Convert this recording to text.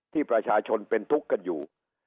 ที่ประชาชนเป็นทุกข์กันอยู่